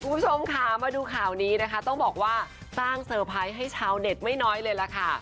คุณผู้ชมค่ะมาดูข่าวนี้นะคะต้องบอกว่าสร้างเซอร์ไพรส์ให้ชาวเน็ตไม่น้อยเลยล่ะค่ะ